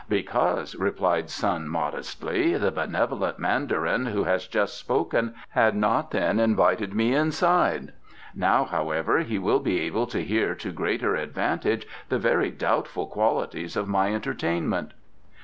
"Because," replied Sun modestly, "the benevolent mandarin who has just spoken had not then invited me inside. Now, however, he will be able to hear to greater advantage the very doubtful qualities of my entertainment."